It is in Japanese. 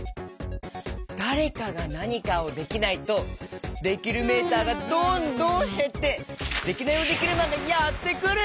だれかがなにかをできないとできるメーターがどんどんへってデキナイヲデキルマンがやってくる！